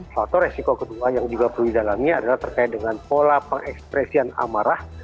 faktor resiko kedua yang juga perlu didalami adalah terkait dengan pola pengekspresian amarah